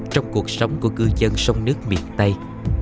trong cuộc sống của cư dân sông nước miền tây